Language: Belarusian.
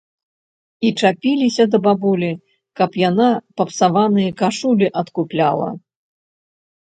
І чапіліся да бабулі, каб яна папсаваныя кашулі адкупляла.